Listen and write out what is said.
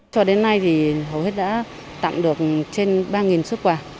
cho đến nay thì hầu hết đã tặng được trên ba xuất quà